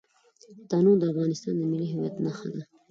تنوع د افغانستان د ملي هویت نښه ده.